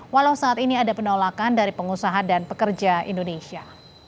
walau saat ini ada penolakan dari pengusaha dan pekerja indonesia